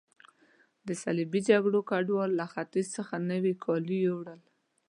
د صلیبي جګړو ګډوالو له ختیځ څخه نوي کالي یوړل.